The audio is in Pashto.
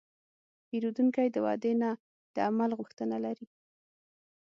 پیرودونکی د وعدې نه، د عمل غوښتنه لري.